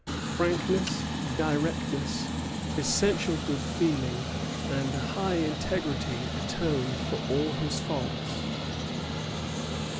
Frankness, directness, essential good feeling, and a high integrity atoned for all his faults.